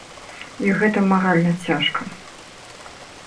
І гэта маральна цяжка.